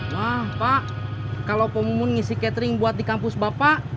wah pak kalau kamu ngisi catering buat di kampus bapak